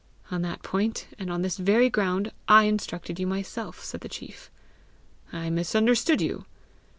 "On that point, and on this very ground, I instructed you myself!" said the chief. "I misunderstood you."